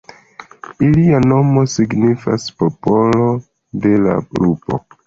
Ilia nomo signifas "popolo de la lupo".